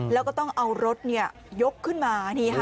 แล้วก็ต้องเอารถเนี่ยยกขึ้นมานี่ค่ะ